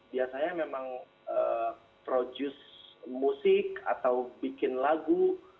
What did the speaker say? biasanya memang produce musik atau bikin lagu